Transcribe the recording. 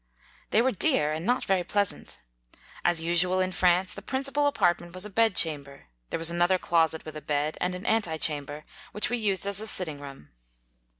They were dear, and not very pleasant. As usual in France, the principal apartment was a bedchamber; there was another closet with a bed, and an anti chamber, which we used as a sitting room.